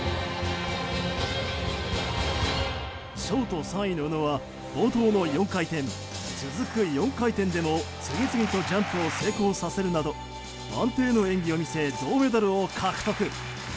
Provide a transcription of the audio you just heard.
ショート３位の宇野は冒頭の４回転続く４回転でも次々とジャンプを成功させるなど安定の演技を見せ銅メダル。